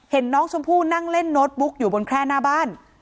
เห็นน้องชมพู่นั่งเล่นโน้ตบุ๊กอยู่บนแคร่หน้าบ้าน